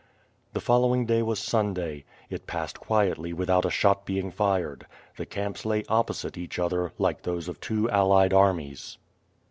The following day was Sunday. It passed quietly without a shot being fired. The camps lay opposite each other, like those of two allied armies.